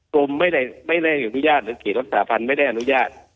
กลุ่มไม่ได้อนุญาตหรือเขตรักษาพันธ์ไม่ได้อนุญาต